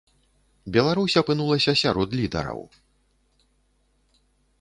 Беларусь апынулася сярод лідараў.